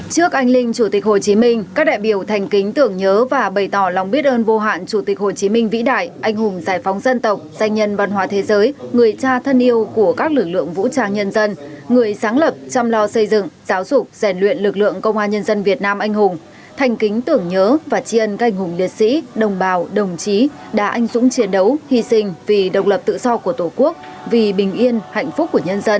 trước anh linh chủ tịch hồ chí minh các đại biểu thành kính tưởng nhớ và bày tỏ lòng biết ơn vô hạn chủ tịch hồ chí minh vĩ đại anh hùng giải phóng dân tộc danh nhân văn hóa thế giới người cha thân yêu của các lực lượng vũ trang nhân dân người sáng lập chăm lo xây dựng giáo dục rèn luyện lực lượng công an nhân dân việt nam anh hùng thành kính tưởng nhớ và tri ân các anh hùng liệt sĩ đồng bào đồng chí đã anh dũng chiến đấu hy sinh vì độc lập tự do của tổ quốc vì bình yên hạnh phúc của nhân dân